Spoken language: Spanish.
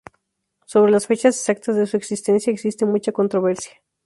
Sobre las fechas exactas de su existencia existe mucha controversia.